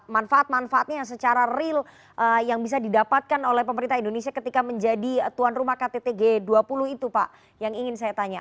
manfaat manfaatnya secara real yang bisa didapatkan oleh pemerintah indonesia ketika menjadi tuan rumah ktt g dua puluh itu pak yang ingin saya tanya